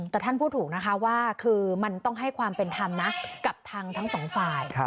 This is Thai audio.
แต่ท่านพูดถูกนะคะว่าคือมันต้องให้ความเป็นธรรมนะกับทางทั้งสองฝ่าย